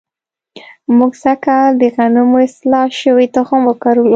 موږ سږ کال د غنمو اصلاح شوی تخم وکرلو.